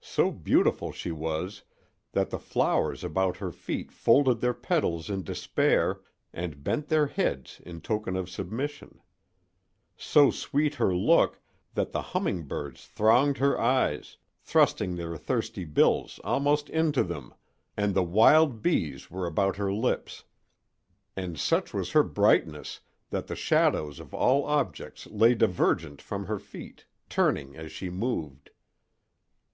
So beautiful she was that the flowers about her feet folded their petals in despair and bent their heads in token of submission; so sweet her look that the humming birds thronged her eyes, thrusting their thirsty bills almost into them, and the wild bees were about her lips. And such was her brightness that the shadows of all objects lay divergent from her feet, turning as she moved.